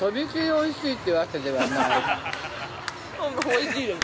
◆おいしいです。